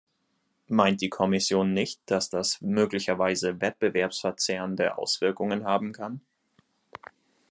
Meint die Kommission nicht, dass das möglicherweise wettbewerbsverzerrende Auswirkungen haben kann?